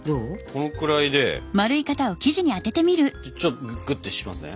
このくらいでちょっとグッとしますね。